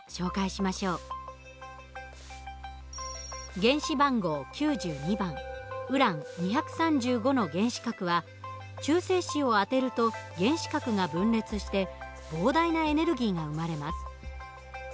原子番号９２番ウラン２３５の原子核は中性子を当てると原子核が分裂して膨大なエネルギーが生まれます。